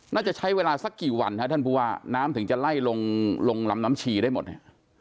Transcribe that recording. น่าจะใช้เวลาสักกี่วันครับท่านผู้ว่าน้ำถึงจะไล่ลงลงลำน้ำชีได้หมดเนี่ย